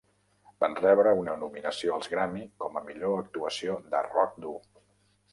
Van rebre una nominació als Grammy com a Millor actuació de rock dur.